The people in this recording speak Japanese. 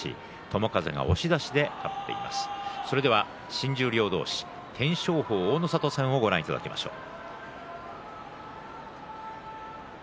新十両同士、天照鵬と大の里戦をご覧いただきましょう。